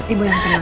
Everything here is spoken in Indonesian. ibu yang tenang